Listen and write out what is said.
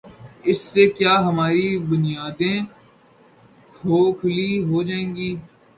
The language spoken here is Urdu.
اس سے کیا ہماری بنیادیں کھوکھلی ہو جائیں گی؟